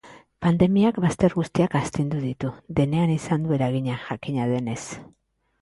Pandemiak bazter guztiak astindu ditu, denean izan du eragina, jakina denez.